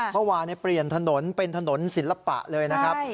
เมื่อวานเปลี่ยนถนนเป็นถนนศิลปะเลยนะครับ